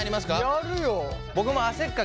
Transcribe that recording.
やるよ！